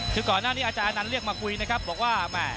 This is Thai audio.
คือก่อนหน้านี้อาจารย์อนันต์เรียกมาคุยนะครับบอกว่า